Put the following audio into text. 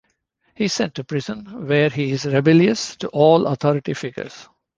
He is sent to prison, where he is rebellious to all authority figures.